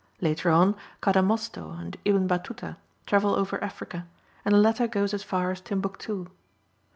Later on, Cadamosto and Ibn Batuta travel over Africa, and the latter goes as far as Timbuctoo.